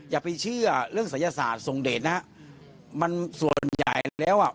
อย่าไปเชื่อเรื่องศัยศาสตร์ทรงเดชนะฮะมันส่วนใหญ่แล้วอ่ะ